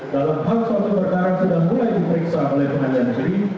dalam hal suatu perkara sudah mulai diperiksa oleh pengadilan negeri